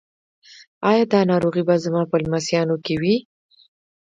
ایا دا ناروغي به زما په لمسیانو کې وي؟